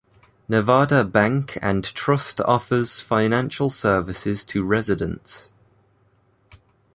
Nevada Bank and Trust offers financial services to residents.